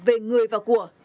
về người và của